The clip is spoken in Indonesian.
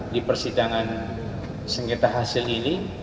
di persidangan sengketa hasil ini